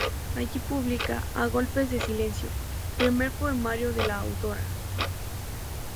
Allí publica "A Golpes de Silencio", primer poemario de la autora.